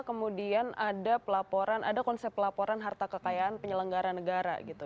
kenapa kemudian ada konsep pelaporan harta kekayaan penyelenggara negara gitu